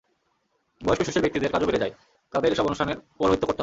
বয়স্ক সুশীল ব্যক্তিদের কাজও বেড়ে যায়, তাঁদের এসব অনুষ্ঠানের পৌরহিত্য করতে হয়।